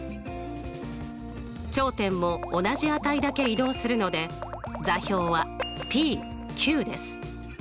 頂点も同じ値だけ移動するので座標はです。